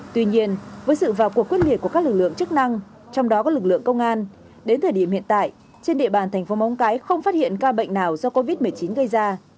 tuy nhiên với sự vào cuộc quyết liệt của các lực lượng chức năng trong đó có lực lượng công an đến thời điểm hiện tại trên địa bàn thành phố móng cái không phát hiện ca bệnh nào do covid một mươi chín gây ra